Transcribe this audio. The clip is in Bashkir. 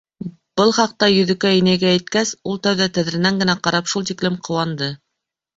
Был хаҡта Йөҙөкәй инәйгә әйткәс, ул тәүҙә тәҙрәнән генә ҡарап шул тиклем ҡыуанды.